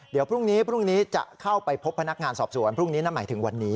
เดี๋ยวพรุ่งนี้พรุ่งนี้จะเข้าไปพบพนักงานสอบสวนพรุ่งนี้นั่นหมายถึงวันนี้